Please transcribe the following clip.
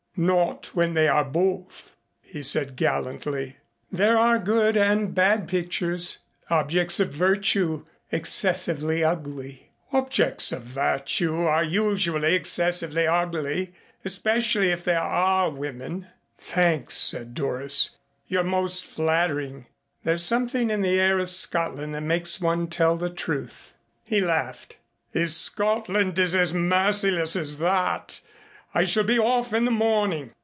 "Not when they are both," he said gallantly. "There are good and bad pictures objects of virtue, excessively ugly " "Objects of virtue are usually excessively ugly, especially if they are women." "Thanks," said Doris. "You're most flattering. There's something in the air of Scotland that makes one tell the truth." He laughed. "If Scotland is as merciless as that, I shall be off in the morning.